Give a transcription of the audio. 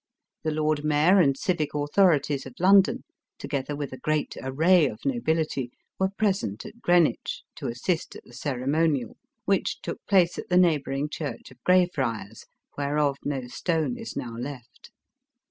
The lord mayor and civic authorities of London, together with a great array of nobility, were present at Greenwich, to assist at the ceremonial, which took place at the neighboring church of Grey Friars, whereof no stone is now left.